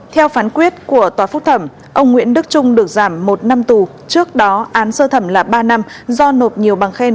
theo phán quyết của tòa phúc thẩm ông nguyễn đức trung được giảm một năm tù trước đó án sơ thẩm là ba năm do nộp nhiều bằng khen